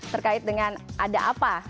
terkait dengan ada apa